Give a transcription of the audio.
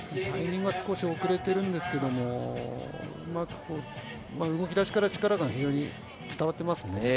タイミングは少し遅れているんですけれども、動きだしから非常に力が伝わっていますね。